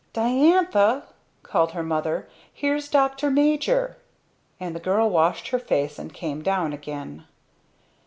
"Diantha!" called her mother, "Here's Dr. Major;" and the girl washed her face and came down again.